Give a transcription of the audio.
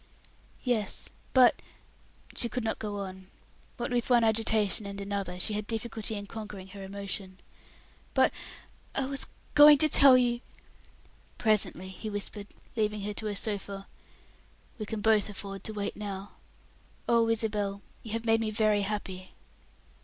"Yes. But " She could not go on. What with one agitation and another, she had difficulty in conquering her emotion. "But I was going to tell you " "Presently," he whispered, leading her to a sofa, "we can both afford to wait now. Oh, Isabel, you have made me very happy!"